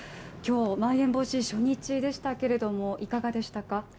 今日まん延防止初日でしたけれども、いかがでしたか。